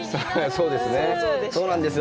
そうなんですよ。